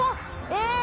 え！